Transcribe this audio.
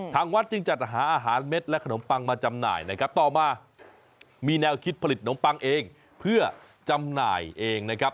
ทางวัดจึงจัดหาอาหารเม็ดและขนมปังมาจำหน่ายนะครับต่อมามีแนวคิดผลิตนมปังเองเพื่อจำหน่ายเองนะครับ